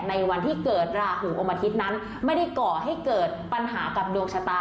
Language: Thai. ในวันที่เกิดราหูอมอาทิตย์นั้นไม่ได้ก่อให้เกิดปัญหากับดวงชะตา